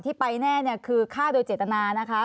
ไปแน่คือฆ่าโดยเจตนานะคะ